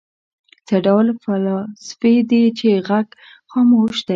څه ډول فلاسفې دي چې غږ خاموش دی.